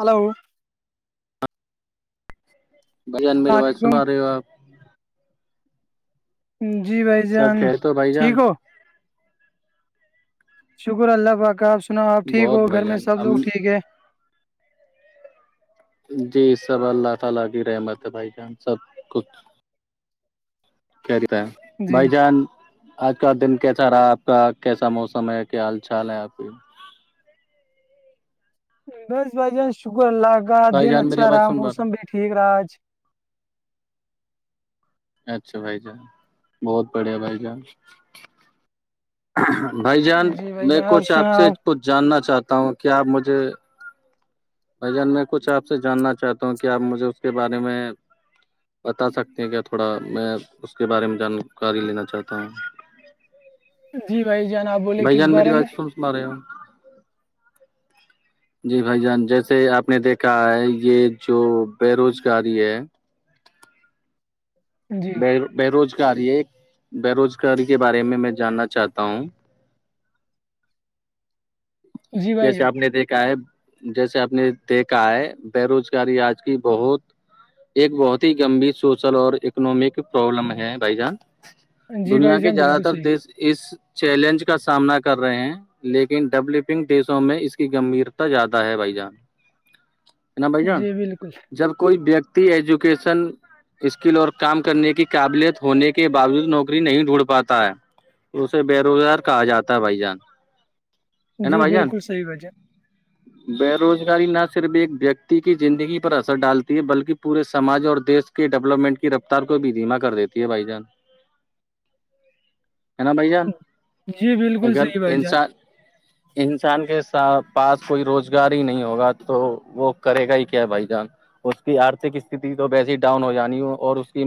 hello بھائی جان السلام میری بات سنا علیکم رہے ہو آپ جی بھائی جان سب کہہ تو بھائی ٹھیک جان ہو شکر اللہ واقع آپ سناو آپ ٹھیک ہو بہت گھر بھائی میں جان سب ہم لوگ ٹھیک ہے جی سب اللہ تعالی کی رحمت ہے بھائی جان سب کچھ کیاتا ہے جی بھائی جان آج کا دن کیسا رہا آپ کا کیسا موسم ہے کیا حال چال ہے آپ کی بس بھائی جان شکر اللہ کا بھائی دن جان میری اچھا آواز رہا سن پا موسم بھی ٹھیک رہا آج اچھا بھائی جان بہت بڑھیا بھائی جان بھائی جان جی بھائی میں جان کچھ آپ سنا سے کچھ جاننا چاہتا ہوں کیا آپ مجھے بھ جان میں کچھ آپ سے جاننا چاہتا ہوں کہ آپ مجھے اس کے بارے میں بتا سکتے ہیں کیا تھوڑا میں اس کے بارے میں جانکاری لینا چاہتا ہوں جی بھائی جناب بھائی جان میری آواز کون سنا رہے ہو [inaudible] [inaudible] جی بھائی جان جیسے آپ نے دیکھا ہے یہ جو بے روزگاری ہے جی بے بے روزگاری ہے بے روزگاری کے بارے میں میں جاننا چاہتا ہوں جی بھائی جیسے آپ نے دیکھا ہے جیسے آپ نے دیکھا ہے بے روزگاری آج کی بہت ایک بہت ہی گمبھیر سوشل اور اکنامک پرابلم ہے بھائی جان جان جی دنیا بھائی کے جان زیادہ بالکل تر دیش صحیح اس چیلنج کا سامنا کر رہے ہیں لیکن ڈیولپنگ دیشوں میں اس کی گمبھیرتا زیادہ ہے بھائی جان ہے نا بھائی جان جی بالکل جب کوئی ویکتی ایجوکیشن اسکل اور کام کرنے کی قابلیت ہونے کے باوجود نوکری نہیں ڈھونڈ پاتا ہے اسے بے روزگار کہا جاتا ہے بھائی جان ہے نا جی بھائی جان بالکل صحیح بھائی بے روزگاری نہ صرف ایک ویکتی کی زندگی پر اثر ڈالتی ہے بلکہ پورے سماج اور دیش کی ڈیولپمنٹ کی رفتار کو بھی دھیما کر دیتی ہے بھائی جان [inaudible] [inaudible] ہے نا بھیا جان جی بالکل اگر صحیح بھائی جان انسان انسان کے ساتھ پاس کوئی روزگار ہی نہیں ہوگا تو وہ کرے گا ہی کیا بھائی جان اس کی آرھک استھتی تو ویسی ڈاؤن ہو جانی ہو اور اس کی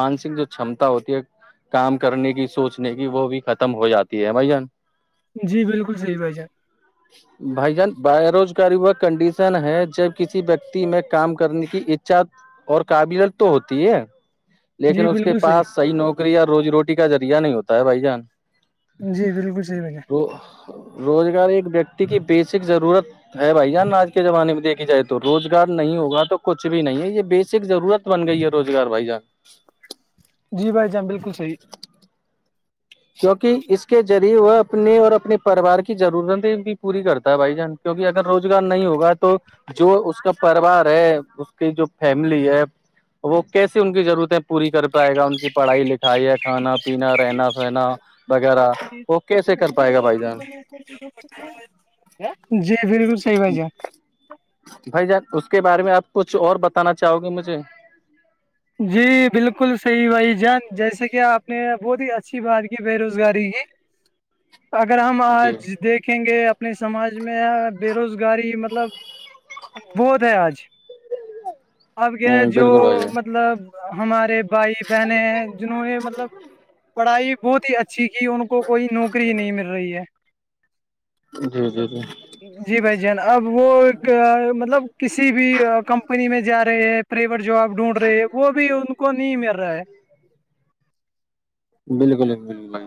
مانسک جو چمتا ہوتی ہے کام کرنے کی سوچنے کی وہ بھی ختم ہو جاتی ہے بھائی جان جی بالکل صحی بھائی جان [inaudible] [inaudible] بھائی جان بے روزگاری و کنڈیشن ہے جب کسی ویکتی میں کام کرنے کی اھا اور قابلت تو ہوتی ہے جی لیکن اس کے بالکل پاس صحیح نوکری اور روزی روٹی کا ذریہ نہیں ہوتا ہے بھائی جان جی بالکل صحیح بھائی جان ر روزگار ایک ویکتی کی بیسک ضرورت ہے بھائی جان آج کے زمانے میں دیکھی جائے تو روزگار نہیں ہوگا تو کچھ بھی نہیں ہے یہ بیسک ضرورت بن گئی ہے روزگار وھائی جان جی بھائی جان بالکل صح کیونکہ اس کے ذریعے وہ اپنے اور اپنے پریوار کی ضرورتیں بھی پوری کرتا ہے بھائی جان کیونکہ اگر روزگار نہیں ہوگا تو جو اس کا پوار ہے اس کی جو فیملی ہے وہ کیسیے ان کی ضرورتیں پوری کر پائے گا ان کی پڑھائی لکھائی ہے کھانا پینا رہنا وغیرہ وہ کیسے کر پائے گا بھائی جان جی فھر بھائی جان اس کے بارے میں آپ کچھ اور بتانا چاہو گے مجھے جی بالکل صحیح بھائی جان جیسے کہ آپ نے بہت ہی اچھی بات کی بے روزگاری کی اگر ہم جی آج دیکھیں گے اپنے سماج میں بے روزگاری مطلب بہت ہے آج اپ کیا ہ جو بالکل بھائی مطب جان مطلب ہمارے بھائی بہن جنہوں نے مطلب پڑھائی بہت ہی اچھی کی ان کو کوئی نوکری نہیں مل رہی ہے جی جی جی جی بھائی جین اب وہ ایک مطلب کسی بھی کمپنی میں جا رہے ہے پرائیویٹ جاب ڈھونڈ رہے ہے وہ بھی ان کو نہیں مل رہا ہے بالکل بالکل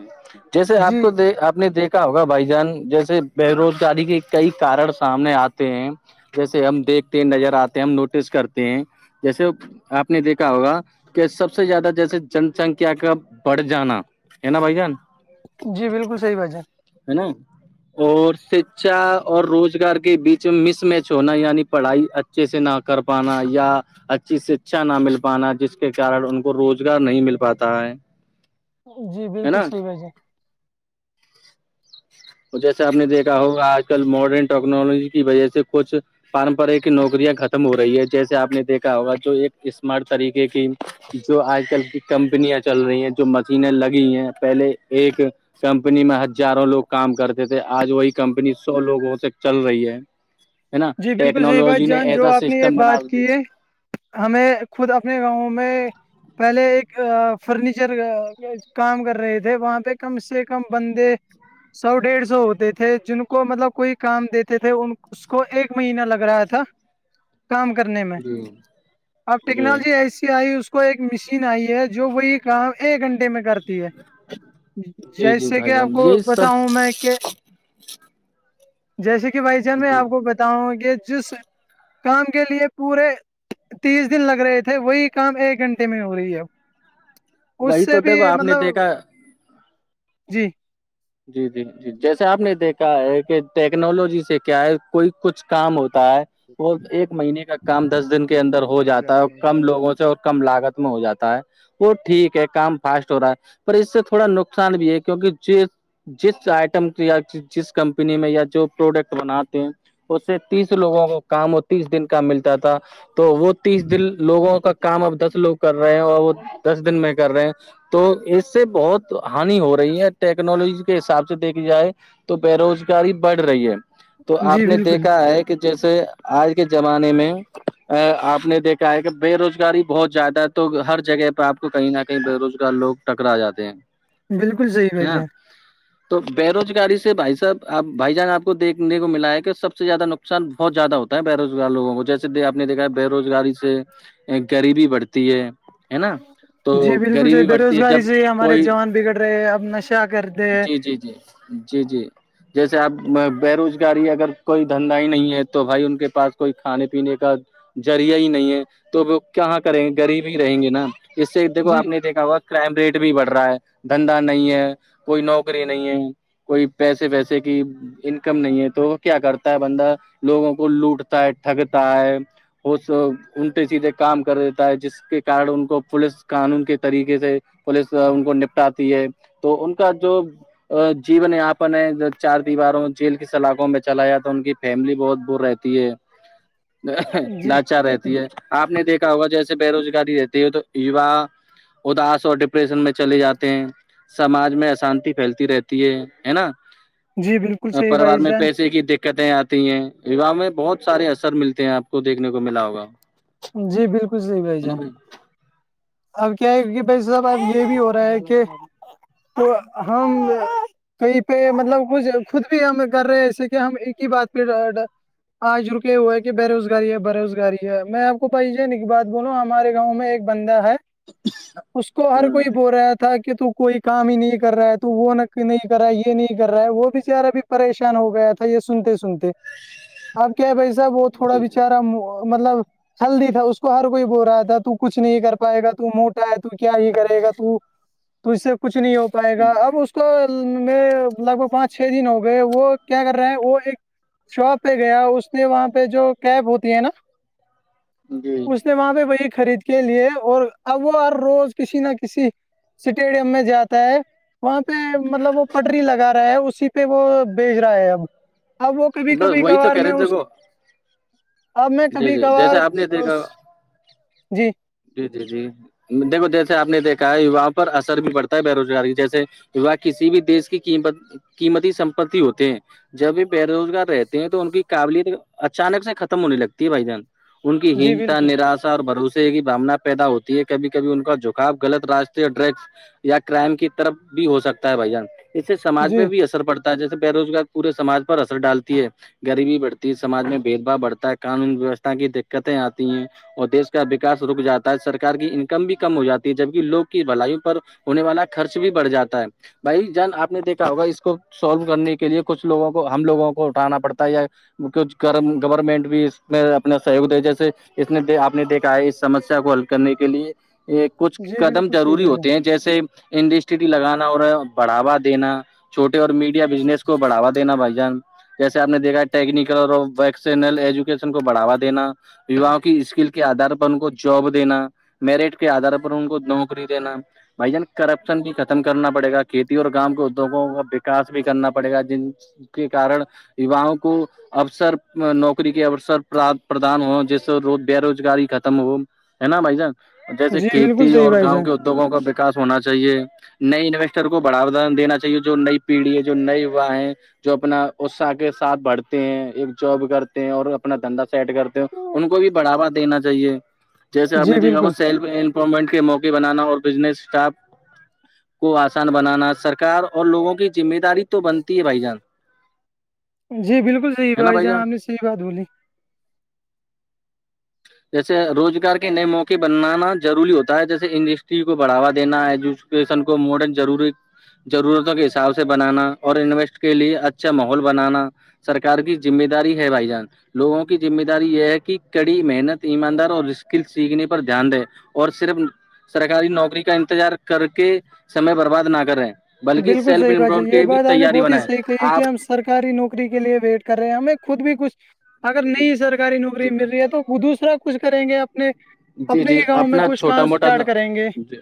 جیسے آپ جی کو د آپ نے دیکھ ہوگا بھائی جان جیسے بے روزگاری کے کئی کارن سامنے آتے ہیں جیسے ہم دیکھتے ہیں نظر آتے ہیں ہم نوٹس کرتے ہیں جیسے آپ نے دیکھا ہوگا کہ سب سے زیادہ جیس جن سنکھیا کا بڑھ جانا ن بھ جان جی بالکل صحی بات ہے ہے نا [unintelligible] اور شکھا اور روزگار کے بیچ مس میچ ہونا یعنی پڑھائی اچ اچھے سے نہ کر پانا یا اچھے سے اچھا نہ مل پانا جس کے کارن ان کو روزگار نہیں مل پاتا ہے جی ہے بالکل نا صحی بھائی جی جیسے آپ نے دیکا ہوگ آج کل ماڈرن ٹیکنالوجی کی وجہ سے کچھ پارمپر کی نوکریاں ختم ہو رہی ہے جیسے آپ نے دیکھا ہوگا جو ایک اسمارٹ طریقے کی جو آج کل کی کمپنیاں چل رہی ہیں جو مشینیں لگی ہیں پہلے ایک کمپنی میں ہزاروں لوگ کام کرتے تھے آج وہی کمپنی سو لوگوں سے چل رہی ہے ہے نا جی بالکل صحیح بات ٹیکنالوجی نے جان جو ایسا آپ نے یہ سسٹم بنا بات دی کی ہے ہمیں خود اپنے گاؤں میں پہلے ایک فرنیچر کام کر رہے تھے وہاں پہ کم سے کم بندے سو ڈیڑھ سو ہوتے تھے جن کو مطلب کوئی کام دیتے تھے ان اس کو ایک مہینہ لگ رہا تھا کام کرنے میں جی اب جی ٹیکنالوجی ایسی آئی اس کو ایک مشین آئی ہے جو وہی کام ایک گھنٹے میں کرتے جی جی جیسے کہ بھائی آپ جان کو یہ سب بتاؤں میں کہ جیسے کہ بھائی جان میں جی آپ کو بتاؤں کہ جس کام کے لیے پورے تیس دن لگ رہے تھے وہی کام ایک گھنٹے میں ہو رہی ہے اب اس وہی سے تو بھی دیکھو آپ نے مطلب دیکھا جی جی جی جی جیسے آپ نے دیکھا کیا ہے کہ ٹیکنالوجی سے کیا ہے کوئی کچھ کام ہوتا ہے وہ ایک مہینے کا کام دس دن کے اندر ہو بے روزگار جاتا ہے کی اور کم لوگوں سے اور کم لاگت میں ہو جاتا ہے وہ ٹھیک ہے کام فاسٹ ہو رہا ہے پر اس سے تھوڑا نقصان بھی ہے کیونکہ ج جس آئٹم یا جس کمپنی میں یا جو پروڈکٹ بناتے ہیں اس سے تیس لوگوں کو کام اور تیس دن کا ملتا تھا تو وہ تیس دن لوگوں کا کام اب دس لوگ کر رہے ہیں اور موجود وہ دس دن میں کر رہے ہیں تو اس سے بہت ہانی ہو رہی ہے ٹیک ٹیکنالوجی کے حساب سے دیکھی جائے تو بے روزگاری بڑھ رہی ہے تو آپ جی نے بالکل دیکھا ہے کہ جیسے آج کے زمانے میں آپ نے دیکھا ہے کہ بے روزگاری بہت زیادہ ہے تو ہر جگہ پہ آپ کو کہیں نہ کہیں بے روزگار لوگ ٹکرا جاتے ہیں بالکل صحیح بھائی نا جے تو بے روزگاری سے بھائی صاحب آب بھائی جان آپ کو دیکنے کو ملا ہے کہ سب سے زیادہ نقص نقصان بہت زیادہ ہوتا ہےے روزگار لووں کو جیسے آپ نے دیکا ہے بے روزگاری سے غریبی بڑھتی ہے ہے نا تو جی بالکل صحی غریبی بے بڑھتی ہے روزگاری جب سے ہی ہمارے کوئی جوان بگڑ رہے ہیں اب نشہ کر جی جی جی جی جی جیسے آپ بے روزگاری اگر کوئی دھندا ہی نہیں ہے تو بھائی ان کے پاس کوئی کھانے پینے کا ذریہ ہی نہیں ہے تو کہاں کریں گے غریب ہی رہیں گے نا اس سے دیکو جی آپ نے دیکھا ہوا کرائم ریٹ بھی بڑھ رہا ہے دھندا نہیں ہے کوئی نوکری نہیں ہے کوئی پیسے ویسے کی انکم نہیں ہے تو کیا کرتا ہے بندہ لوگوں کو لوٹتا ہے تھگتا ہے وہ الٹے سیدھے کام کر دیتا ہے جس کے کارن ان کو پوولس کانون کے طریقے سے پولیس ان کو نپٹاتی ہے تو ان کا جو جین یاپن ہے چار دیواروں جیل کی سلاخوں میں چلا جاتا ہے ان کی فیملی بہت دور رہتی ہے [inaudible] [inaudible] جی لاچار رہتی ہے آپ نے دیکھا ہوگا جیسے بے روزگاری رہتی ہے تو یوا اداس اور ڈپریشن میں چلے جاتے ہیں سماج میں ااسانتی پھیلتی رہتی ہے ہے نا جی بالکل صحیح پروار بھائی میں جان پیسے کی دیک دقتیں آتی ہیں وواہ میں بہت سارے اثر ملتے ہیں آپ کو دیکھنے کو ملا ہوگا جی بالکل صحیح بھائی جان اب کیا ہے کہ بھائی صاحب اب یہ بھی ہو رہا ہے کہ تو ہم [unintelligible] کہیں پہ مطلب کچھ خود بھی ہم کر رہے جسے کہ ہم ایک ہی بات پہ آج رکے ہوا ہے کہ بے روزگاری ہے بے روزگاری ہے میں بھی جان ایک بات بولو ہمارے گاؤں میں ایک بندہ ہے اس کو ہر ہوں کوئی بو رہا تھا کہ کہ تو کوئی کام ہی نہیں کر رہا ہے تو وہ ن نہیں کر رہا ہے یہ نہیں کر رہا ہے وہ بچارا اب پریشان ہو گیا تھا یہ سنتے سنتے اب کیا ہے بھائی صاحب وہ تھوڑا بچارا مطلب ہلدی تھا اس کو ہر کوئی بول رہا تھا تو کچھ نہیں کر پائے گا تو موٹا ہے تو کیا یہ کرے گا تو تو اس سے کچھ نہیں ہو پائے گا اب اس کو میں لگ بھگ پانچ چھ دن ہو گئے وہ کیا کر رہے ہیں وہ ایک شاپ پہ گیا اس میں وہاں پہ جو کیب ہوتی ہے نا جی اس وہاں پہ وہی خرید کے لیے اور ا وہ ہر روز کسی نہ کسی سٹیڈیم میں جاتا ہے وہاں پہ مطلب وہ پٹری لگا رہا ہے اسی پہ وہ بیج رہا ہے اب اب وہ کبھی کبھی وہی تو کبھار کہہ میں رہے تھے اس کو اب میں جی کبھی جی کبھار جیسے آپ نے اس دیکھا جی جی جی جی دیکھو جیسے آپ نے دیکھا ہے یواؤں پر اثر بھی پڑتا ہے بے روزگاری جیسے و کسی بھی دیش کی قمت قیمتی سمپتی ہوتے ہیں جب بھی بے روزگار رہتے ہیں تو ان کی قابلیت اچانک سے ختم ہونے لگتی ہے بھائی جان ان کی جی ہینتا بالکل نراشا اور بھروسے کی بھامنا پیدا ہوتی ہے کبھی کبھی ان کا جھکاؤ غلط راستے اور ٹریکس یا کرائم کی طرف بھی ہو سکتا ہے بھائی جان اس سے سمج میں جی بھی اثر پڑتا جیسے بے روزگار پورے سماج پر اثر ڈالتی ہے غریبی بڑھتی سماج میں بھید با بڑھتا ہے قانون ویوستھا کی دقتیں آتی ہیں اور دیش کا اس رک جاتا ہے سرار کی انکم بھی کم ہو جاتی ہے جبکہ لوگ کی بلائیوں پر ہونے والا خرچ بھی بڑھ جاتا ہے بھائی جان آپ نے دیکھا ہوگا اس کو سولو کرنے کے لیے کچھ لوگوں کو ہم لوگوں کو اٹھانا پڑتا ہے یا کچھ گورنمنٹ بھی اس میں اپنا سہیوگ دے جیسے اس نے آپ نے دیکھا ہے اس سمسیا کو حل کرنے کے لیے یہ کچھ جی قدم بالکل صحیح ضروری بھائی جان ہوتے ہیں جیسے انڈسٹری لگانا اور بڑھاوا دینا چھوٹے اور میڈیا بزنس کو بڑھوا دینا بھائی جان جیسے آپ نے دیکھا ٹیکنیکل اور ویکشنل ایجوکیشن کو بڑھوا دینا یواں کی اسکل کے آدھار پر ان کو جاب دینا میرٹ کے آدار پر ان کو نوکری دینا بھائی جان کرپشن بھی ختم کرنا پڑے گا کھیتی اور گاام کے ادیوگوں کا وکاس بھی کرنا پڑے گا جن کے کن یوؤوں کو اوسر نوکری کے اوسر پردان ہو جیس سے بے روزگاری ختم ہو ہے نا بھائی جان جیسے جی بالکل کھیتی صحیح اور بھائی گاؤں جان کے ادیوگوں کا وکاس ہونا چاہیے نئے انویسٹر کو بڑھو دان دینا چاہیے جو نئی پیڑھی ہے جو نئے یووا ہیں جو اپنا اصاہ کے ساتھ بڑھتے ہیں ایک جاب کرتے ہیں اور اپنا دھندا سیٹ کرتے ہیں ان کو بھی بڑھاوا دینا چاہیے جیسے آپ نے جی دیکھا بالکل سیلفمپمنٹ کے موقع بنانا اور بزنس اسٹارپ کو آسان بنانا سرکار اور لوگوں کی ذمہ داری تو بنتی ہے بھائی جان جی بالکل صحیح ہے نا بھائی جاں جان ہم نے صحیح بات بولی جیسے روزگار کے نئے موقع بنانا ضروری ہوتا ہے جیسے انڈسٹری کو بڑھوا دینا ایجوکیشن کو ماڈرن ضروری ضرورتوں کے حساب سے بنانا اور انویسٹ کے لیے اچھا ماحول بنانا سرکار کی ذمہ داری ہے بھائی جان لووں کی ذمہ داری یہ ہے کہ کڑی محنت ایماندار اور اس ک سیکھنے پر دھیان دے اور صرف سرکاری نوکری کا انتظار کر کے سمے برباد نہ کریں بلکہ بالکل صحیح بات ہے سیلفمپ یہ کی بھی بات آپ نے تیاری بہت ہی بنیں صحیح کہی کہ آپ ہم سرکاری نوکری کے لیے ویٹ کر رہے ہیں ہمیں خود بھی کچھ اگر جی نہیںئی جی سرکاری نوکری مل رہی ہے تو وہ دوسرا کچھ کریں گے اپنے جی اپنے ہی جی گاؤں میں اپنا کچھ کام چھوٹا موٹا اسٹارٹ کریں گے جی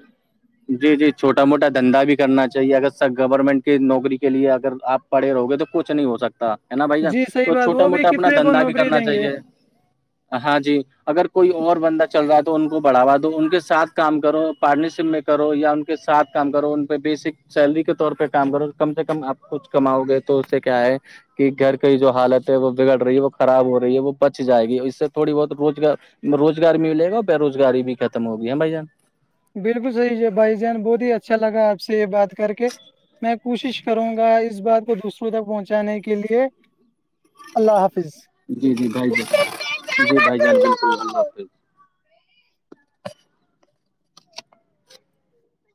جی جی چھوٹا موٹا دھندا بھی کرنا چاہیے اگر سب گورنمنٹ کی نوکری کے لیے اگر آپ پڑے رہو گے تو کچھ نہیں ہو سکتا ہے نا بھائی ج جی صحیح تو بات چھوٹا وہ بھی موٹا اپنا کتنے کو دھندا بھی نوکری کرنا دیں گے چاہیے ہاں جی اگر کوئی اور بند چل رہا ہے تو ان کو بڑھا دو ان کے ساتھ کام کرو پارٹنرشپ میں کرو یا ان کے ساتھ کام کرو ان پہ بیسک سیلری کے طور پہ کام کرو کم سے کم آپ کچھ کماؤ گے تو اس سے کیا ہے کہ گھر کی جو حالت ہے وہ بگڑ رہی ہے وہ خراب ہو رہی ہے وہ بچ جائے گی اس سے تھوڑی بہت روزگار روزگار ملے گا اور بے روزگاری بھی ختم ہوگی ہے بھائی جان بالکل صحیح ہے بھائی جان بہت ہی اچھا لگا آپ سے یہ بات کر کے میں کوشش کروں گا اس بات کو دوسروں تک پہنچانے کے لیے اللہ حافظ جی جی بھائی جان جی بھائی جان بالک اللہ حافظ [unintelligible]